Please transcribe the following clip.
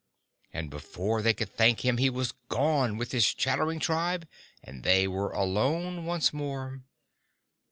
And before they could thank him, he was gone, with his chattering tribe, and they were alone once more.